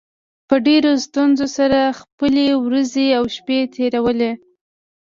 په ډېرو ستونزو سره خپلې ورځې او شپې تېروو